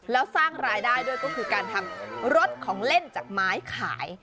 แล้วสร้างรายได้ด้วยก็คือการทำรถของเล่นจากไม้ขาย